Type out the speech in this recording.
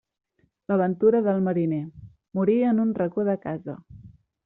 La ventura del mariner: morir en un racó de casa.